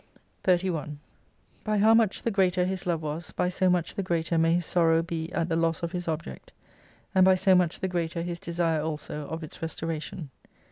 31 By how much the greater His love was, by so much the greater may His sorrow be at the loss of His object : and by so much the greater His desire also of its re storation.